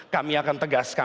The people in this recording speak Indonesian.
kami akan tegas